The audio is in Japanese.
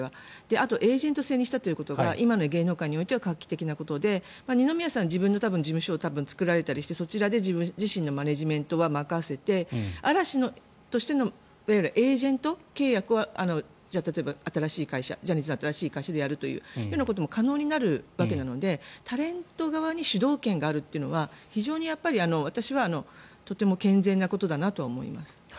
あとエージェント制にしたということが今の芸能界においては画期的なことで二宮さんは自分の事務所を作られたりして、そちらで自身のマネジメントは任せて嵐としてのエージェント契約は例えば新しい会社ジャニーズの新しい会社でやることも可能になるわけなのでタレント側に主導権があるというのは非常に私はとても健全なことだと思います。